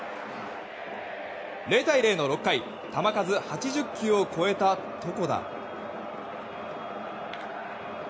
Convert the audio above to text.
０対０の６回球数８０球を超えた床田。